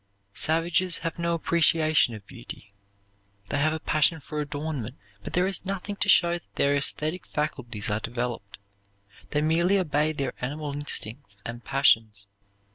Savages have no appreciation of beauty. They have a passion for adornment, but there is nothing to show that their esthetic faculties are developed. They merely obey their animal instincts and passions.